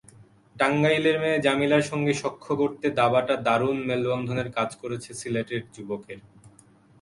টাঙ্গাইলের মেয়ে জামিলার সঙ্গে সখ্য গড়তে দাবাটা দারুণ মেলবন্ধনের কাজ করেছে সিলেটের যুবকের।